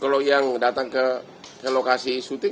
kalau yang datang ke lokasi syuting